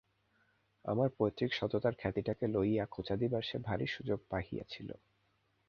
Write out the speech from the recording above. আমাদের পৈতৃক সততার খ্যাতিটাকে লইয়া খোঁচা দিবার সে ভারি সুযোগ পাইয়াছিল।